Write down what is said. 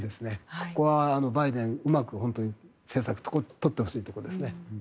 ここはバイデン、うまく本当に政策を取ってほしいところです。